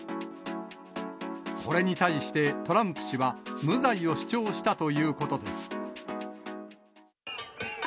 これに対して、トランプ氏は無罪を主張したということです。